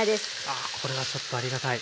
あこれはちょっとありがたい。